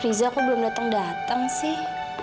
riza aku belum datang datang sih